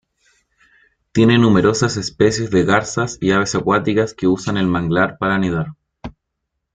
Tiene numerosas especies de garzas y aves acuáticas que usan el manglar para anidar.